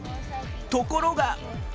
ところが。